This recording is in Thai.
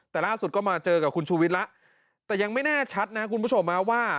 แต่ล่าสุดก็มาเจอกับคุณชูวิทย์แล้วแต่ยังไม่แน่ชัดนะคุณผู้ชมนะว่า